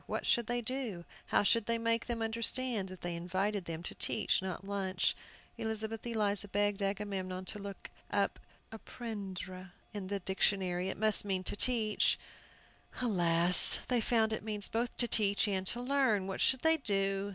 What should they do? How should they make them understand that they invited them to teach, not lunch. Elizabeth Eliza begged Agamemnon to look out "apprendre" in the dictionary. It must mean to teach. Alas, they found it means both to teach and to learn! What should they do?